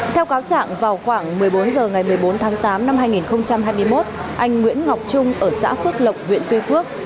theo cáo trạng vào khoảng một mươi bốn h ngày một mươi bốn tháng tám năm hai nghìn hai mươi một anh nguyễn ngọc trung ở xã phước lộc huyện tuy phước